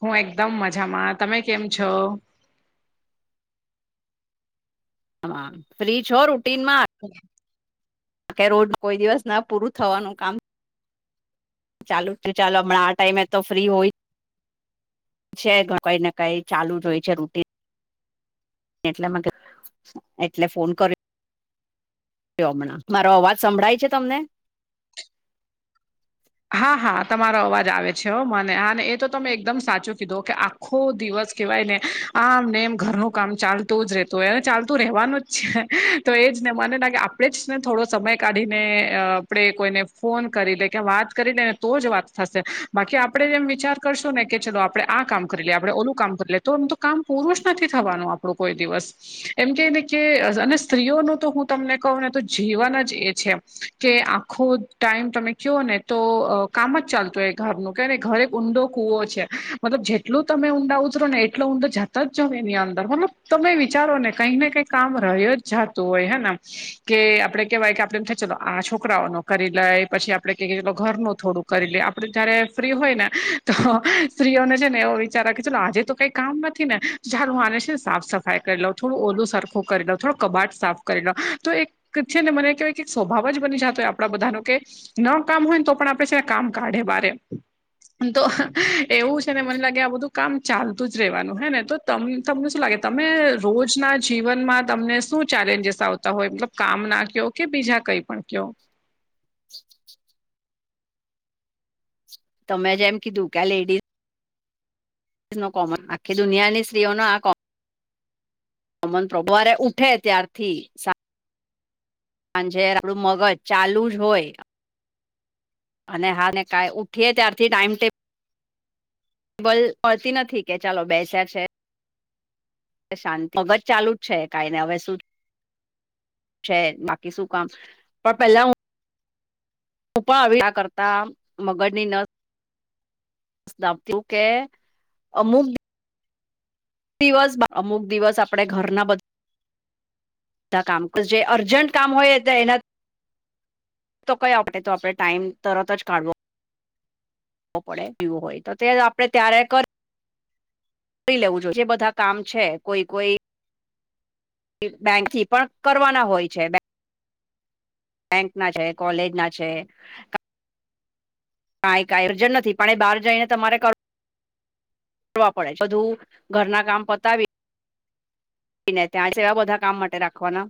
હું એકદમ મજામાં તમે કેમ છો. હ ફ્રી છો રૂટીન માં [unintelligible] કે રોજ કોઈ દિવસ ના પૂરું થવાનું કામ ચાલુ ત ચાલો હમણા આ ટાઈમે તો ફ્રી હોય છે કઈ ને કઈ ચાલુ જ હોય છે રૂટી ન એટલે મ એટલે ફોન કયુ ક હમણાં મારો અવાજ સંભળાય છે તમને હા હા તમારો અવાજ આવે છે હો મનેાને એ તો તમે એકદમ સાચું કીધું કે આખો દિવસ કહેવાય ને આમ ને એમ ઘરનું કામ ચાલતું જ રહેતો હોય અને ચાલતું રહેવાનું તો એજ ને મને નાાગે આપણેે જ ને થોડો સમય કાઢીને અ આપણે કોઈને ફોન કરી દે કે વાત કરીને તો જ વાત થશે બાકી આપડે જેમ વિચાર કરશું ને કે ચલો આપડે આ કામ કરી લેએ આપડણે ઓલું કામ કરી લે તો આમ તો કામ પૂરું જ નથી થવાનું આપણું કોઈ દિવસ એમ કે ને કે અને સ્ત્રીઓનું તો હું તમને કહું ને તો જીવન જ એ છે. કે આખો ટાઈમ તમે કયો ને તો કામ જ ચાલતું હો ઘરનું કે ઘરે એક ઊંડો કુવો છે મતલબ જે એટલું તમે ઊંડા ઉતરો ને એટલો ઊંડ જતા જ જા એની અંદર મતલબ તમે વિચારો ને કંઈક ને કંઈ કામ રહ્યો જ જાતું હોય હે એમ કે આપડે કેવાય કે આપડેમ ચાલલો આ છોકરાઓ ન કરી લે પછી આપડે કે ઘરનું થોડું કરી લે આપડે જયારે ફ્રી હોય ને તો સ્ત્રીઓને છે ને એવ વિચાર રાખીું આજે તો કઈ કામ નથી ને જારું આને છે ને સાફ સફાઈ કરી લઉ થોડું ઓલું સરખો કરી લઉ થોડો કબાટ સાફ તો એક છે ને મને કય કે સ્વભાવ જ બની જતો હોય આપણા બધા ન કે ન કામ હોય. પણ આપે છે ને કામ કાઢે બ તો એવું છે ને મને લાગે આ બધું કામ ચાલતું જ રહેેવાનું હે ને તો તમને શું લાગે તમે રોજના જીવનમાં તમને શું ચેલેન્જેસ આવતા હોય મતલબ કામ ના કો કે બીજા કઈ પણ કયો [inaudible] તમે જેમ કીધું કે્યા લેડીઝ કોમન આખી દુનિયાની સ્ત્રી ઓ આ ખો હમન પ્રભુવારે ઉઠે ત્યારથી પણ જે આપડું મગજ ચાલુ જ હોય. અને હા ને કાઈ ઉઠી ત્યારથી ટાઈમટેબલ લ મળતી નથી કે ચાલો બેસ્યા છે. શાંતિ મગજ ચાલુ જ છે કઈને હવે શું. છે બાકી શું કામ પણ પેલા હું ઉપા આવી આ કરતા મગર ની નસ સપુ કે અમુક દિવસ અમુક દિવસ આપડે ઘરના બધા બધ કામ જે અર્જન્ટ કામ હોય એના થી તો કઈ આપે તો આપડે ટાઈમ તરત જ કાઢવો પડે પીવું હોય તો તે આપડણે ત્યારે કરી લેવું જોઈએ જે બધા કામ છે કોઈ કોઈ બેંક થી પણ કરવાના હોય છે. બેંક ના છે કોલેજ ના છે કાઈ કઈ અર્જન્ટ નથી પણ એ બાર જઈ ને તમારે કર કરવા પડે બધું ઘરના કામ પતાવી ને ત્યાં છે એવા બધા કામ માટે રાખવાના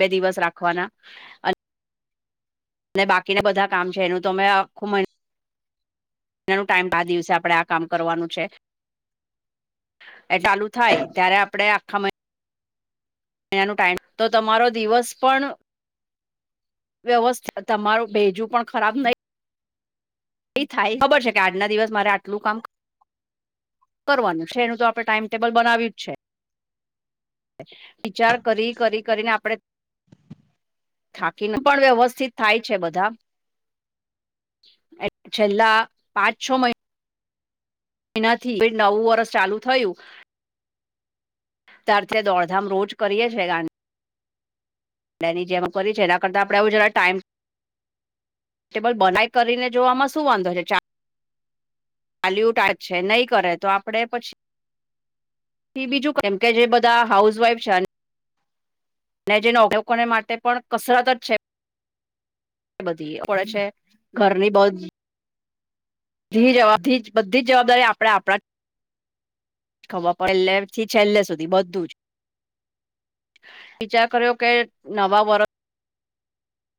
બે દિવસ રાખવાના અને ને બાકીને બધા કામ છે એનું તમે આખું મહિ, એનું ટાઈમ આ દિવસે આપડણે આ કામ કરવાનું છે. એ ચાલુ થાય ત્યારે આપડે આખા મહિ એનાનો ટાઈમ તો તમારો દિવસ પણ વ્યવસ્થા તમારું ભેજું પણ ખરાબ નહી એ થાય ખબર છે કે આજના દિવસ મારે આટલું કામ કરવાનું છે એનું તો આપડણે ટાઈમ ટેબલ બનાવ્યું જ છે. વિચાર કરી કરી કરીને [unintelligible] આપણે થાકીને પણ વ્યવસ્થિત થાય છે બધા. છેલ્લા પાંચ છ મહિના એનાથી નવું વરષ ચાલુ થયું. અત્યાર દોડધામ રોજ કરીએ છીએ ગંધ ડની જેમ કરી છે એના કરતાડણે એવું જરા ટાઈમ ટેબલ બનાઈ કરીને જોવામાં શું વાંધો છે ચ ચ લ્યુટા જ છે નહી કરે તો આપડે પછી. બીજું કેમ કે જે બધા હાઉસ વાઈફ છે. ને જેને લોકોને માટે પણ કસરત જ છે. બધી ઓડે છે ઘરની બહા ધી જવાબ ધી બધી જવાબદારી આપડે આપણા ખબર પડલે થી છેલ્લે સુધી બધું જ. વિચાર કર્યો કે નવા વર્ષ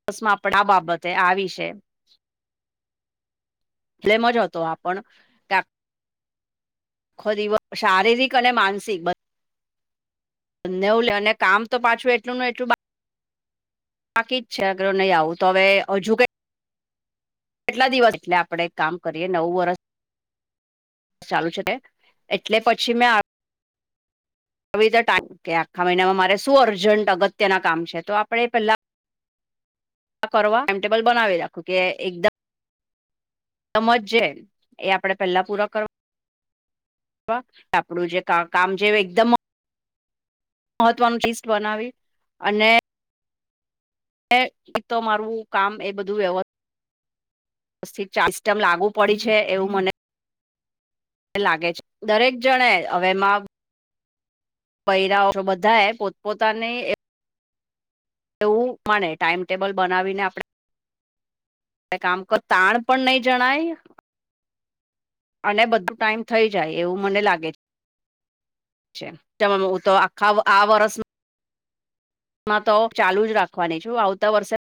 બસ માં આપે આ બાબતે આવી છે. એટલે મજા હતો આપ પણ ખોરી શારીરિક અને માનસિક બ નેવું લે અને કામ તો પાછું એટલું એટલું બા બાકી જ છે અગર નહી આવું તો હવે હજુ કઈ કેટલા દિવસ એટલે આપડે કામ કરીએ નવું વર્ષ ચાલુ છે તે એટલે પછી મે ટાઈમ કે આખા મહિનામાં મારે શું અર્જન્ટ અગત્યના કામ છે તો આપડણે પેલા કરવા ટાાઈમ ટેબલ બનાવી રાખું કે એકદમ સમજ જે એ આપડે પેહલા પૂરા કરવા આપણું જે ક કામ જે એકદમ મહત્વનું લિસ્ટ બનાવી અને એક તો મારું કામ એ બધું વ્યવસ્થ પીથી ચાસ ટમ લાગુ પડી છે એવું મને લાગે છે દરેક જણે હવેમાં પૈરાઓ બધા એ પોતપોતાની એવું મને ટાઈમટેબલ બનાવીને આપણે કામ કર તાણ પણ નહી જણાય અને બધું ટાઈમ થઈ જાય એવું મને લાગે છે. તો આખા આ વર્ષ માં તો ચાલુ જ રાખવાની છું આવતા વર્ષે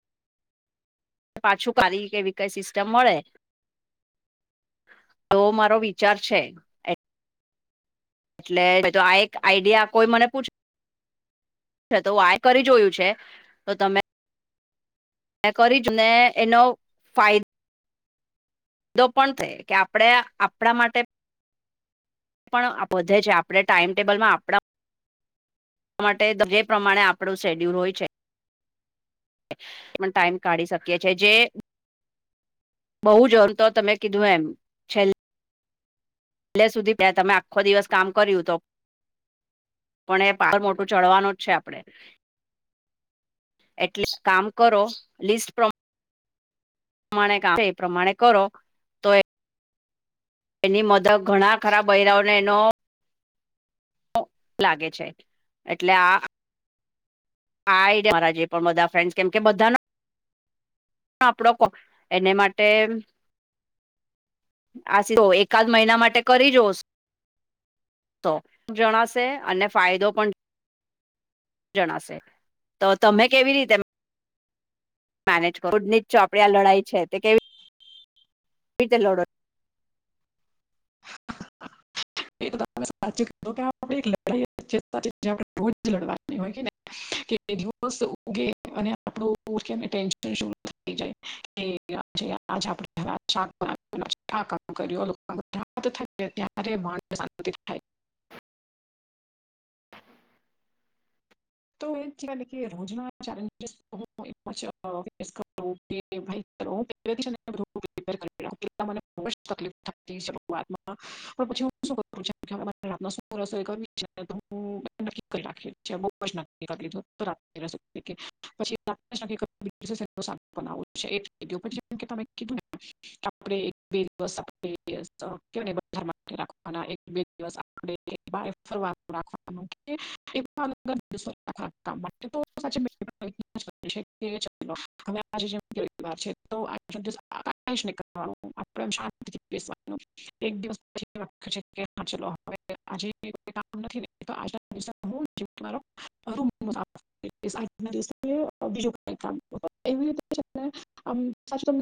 પાછું કારી કેવી કઈ સિસ્ટમ મળે તોો મારો વિચાર છે. એટલે તો આ એક આઈડિયા કોઈ મને પૂછ છે તો આ કરી જોયું છે તો તમે કરી જ ને એનો ફાય દો પણ થે કે આપડે આપણા માટે પણ આ બધે છે આપડે ટાઈમ ટેબલ માં આપડા માટે જે પ્રમાણે આપણું શેડ્યુલ હોય છે પણ ટાઈમ કાઢી શકીએ છે જે બહુ જો તો તમે કીધું એમ છેલ એટલે સુધી બે તમે આખો દિવસ કામ કર્યું તો પણ એ પા મોટું ચડવાનું જ છે આપડે એટલે કામ કરો લિસ્ટ પ્રમ માણે એ પ્રમાણે કરો તો એ એની મદદ ઘણા ખરાબ બૈરાઓને એનો લાગે છે એટલે આ આ મારા જે પણ બધા ફ્રેન્ડસ કેમ કે બધા ના આપડો કો એને માટે આ સી તો એકાદ મહિના માટે કરી જોસ તો જણાશે અને ફાયદો પણ જણાશે તો તમે કેવી રીતે મેનેજ કર કુડનીત ચોપડીયા લડાઈ છે તે કેવી રીતે લડો એ તો ત સાચો કે લડા આપણે રોજ લડવાની હોયને કે બે દિવસ ઉગે અને આપડુ ટેન્શન વધી જાય [unintelligible] [unintelligible] થાય તો એજ રોજના ચેલેન્જીસ [unintelligible] ફસ કરું [unintelligible] ભાઈ [unintelligible] મને તકલીફ થતી પણ પછી હું [unintelligible] [unintelligible] પછ ના કરી લીધું તો રા પછી રાતના જ નકી [unintelligible] તો સા બનાવું છે એ કી પણ જેમ કે તમે કીધું આપડે એક બે દિવસ કે બ રાખવાના [unintelligible] [unintelligible] [unintelligible] [unintelligible] એક દિવસ પછી છે કે ચલો હવે કામ નથી આજના [unintelligible] જે મારો [unintelligible] [unintelligible] બીજું કઈ કામ એવી રીતે છે ને આમ [unintelligible] [unintelligible] [unintelligible]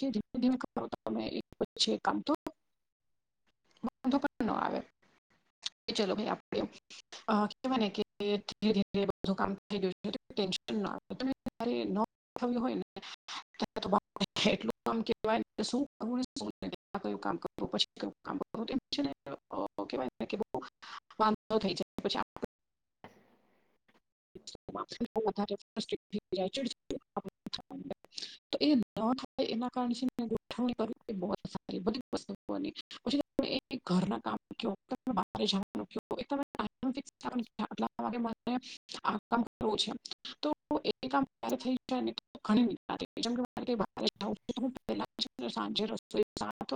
ધમે ધીમે કરો તમે એક પછી એક કામ તો વાંધો પણ ન આવે [unintelligible] ચલો ભાઈ [unintelligible] [unintelligible] એ ન થવી હોય ને [unintelligible] કેવાય કે વાંધો થઈ જાય પછી આ [unintelligible] [unintelligible] તો એ ન થાય એના કારણે ગોઠવણી કર બ સારી બધી પુઓની પછી ઘરના કામ [unintelligible] [unintelligible] આ કામ કરવું છે તો એ કામ ક્યારે થઈ જ ઘણી રે પહેલા સાંજે રસ્તો સાત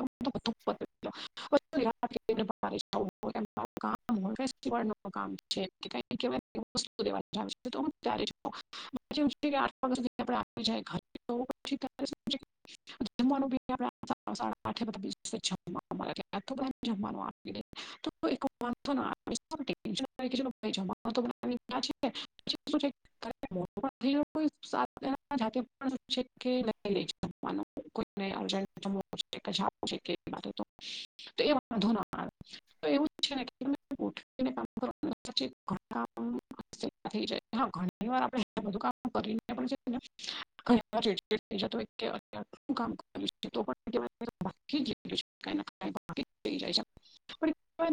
વાર [unintelligible] ન કામ છે. ે [unintelligible] [unintelligible] જમવાનું બી આપ [unintelligible] જમવાનું આપે તો એ જ [unintelligible] [unintelligible] [unintelligible] કોઈ [unintelligible] તો એવું છેને કામ કરવા [unintelligible] [unintelligible] જ ઘણી વારે બધું કામ કરીને [unintelligible] ર થઈ જતોત શું કામ કર તો પણ [unintelligible] બાકી જે શ [unintelligible] વા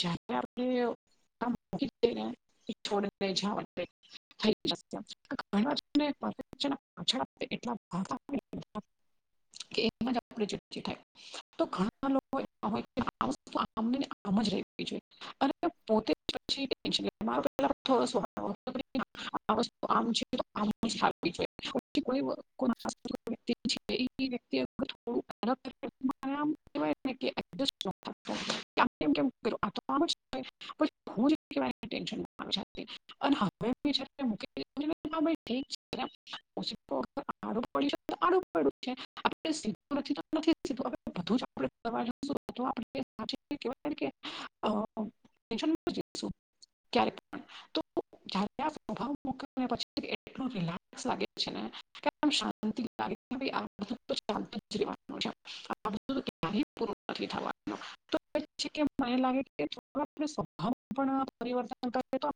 જ આપણે [unintelligible] આમ [unintelligible] છોડ છે [unintelligible] થ ઘણા પાછળ એટલા [unintelligible] [unintelligible] કે એમાં જ આપ [unintelligible] તો ઘણા લોકો હોય આમ જ ર [unintelligible] જોઈ અને પોતે [unintelligible] [unintelligible] [unintelligible] કે હ આપણે એમ કેમ આ તો [unintelligible] અને હવે ઠીક છે [unintelligible] આ પડી [unintelligible] આ પડ્યું છે આપણે સીધું નથી તો નથી બધું જ આપણે [unintelligible] કયારે પણ જ્યારે આ સ્વભાવક પછી. લે છે ને શાંતિ [unintelligible] થી થવા [unintelligible] કે મને લાગે કે [unintelligible] હમ પણ પરિવર્તન કર તો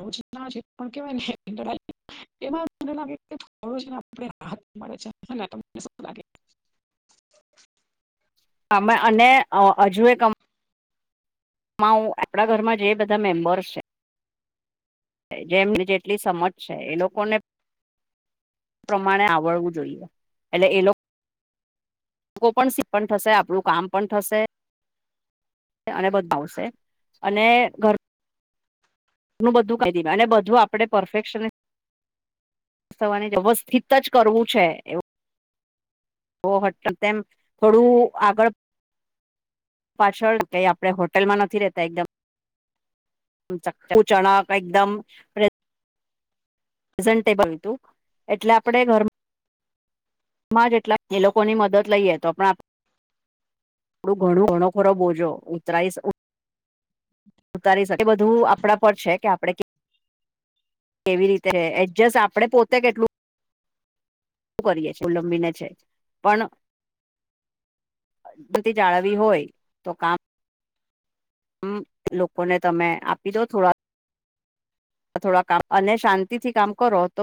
રોજના છે પણ કેવાય ને એમાં મને લાગે કે થોડું ને આપ રાહત મળે છે મને શું લાગે. આમે અને હજુ એક માં હું આપણા ઘરમાં જે બધા મેમ્બર્સ છે જેમ જેટલી સમજ છે એ લોકોને પ્રમાણે આવડવું જોઈએ એટલે એ લોકો લોકો પણ શિકપણ થશે આપણું કામ પણ થશે. અને બધુ ફાવશે અને ઘર નું બધું કહી દી અને બધું આપણે પરફેકશને સવારે વ્યવસ્થિત જ કરવું છે. ઓટ તેમ થોડું આગળ પાછળ કઈ આપડે હોટેલમાં નથી રહેેતા એકદમ ચણા એકદમ ઝેનટેબલ હતું એટલે આપે ઘર માં જેટલા એ લોકો ની મદદ લઈએે તો પણ આપડું ઘણું ઘણો ખોરો બોજો ઉત્તરાયસ ઉતારી શકે બધું આપણા પર છે કે આપડે કેવી રીતે એડજસ્ટ આપડણે પોતે કેટલું શું કરી છીએ અવલંબીને છે, પણ બતી જાળવવી હોય, તો કામ હમ લોકોને તમે આપી દો થોડા થોડા કામ અને શાંતિ થી કામ કરો તો